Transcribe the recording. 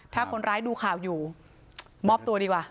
ถ้าคนร้ายดูข่าวอยู่มอบตัวดีกว่า